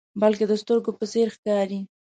بلکې د سترګو په څیر ښکاري.